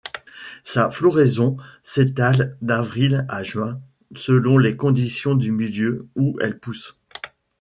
Sa floraison s’étale d’avril à juin selon les conditions du milieu où elle pousse.